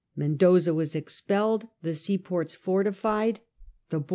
Mendoza was expelled, the seaports fortified, the border 1 8.